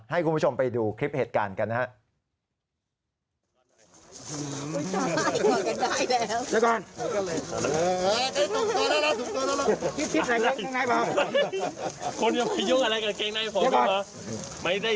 ให้คุณผู้ชมไปดูคลิปเหตุการณ์กันนะครับ